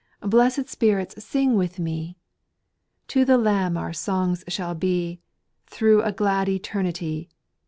Blessed spirits, sing with me ! To the Lamb our songs shall be, Through a glad eternity